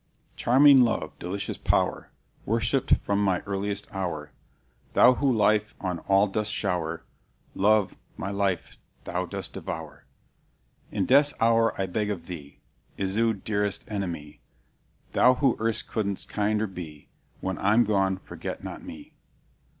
"Charming love, delicious power, Worshipped from my earliest hour, Thou who life on all dost shower, Love! my life thou dost devour. "In death's hour I beg of thee, Isoude, dearest enemy, Thou who erst couldst kinder be, When I'm gone, forget not me.